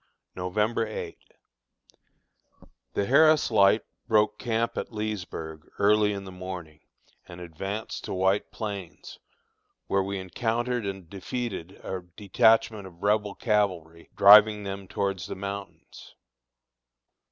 November 8. The Harris Light broke camp at Leesburg early in the morning, and advanced to White Plains, where we encountered and defeated a detachment of Rebel cavalry, driving them towards the mountains.